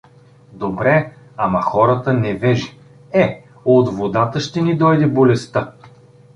Добре, ама хората невежи: „Е, от водата ще ни дойде болестта!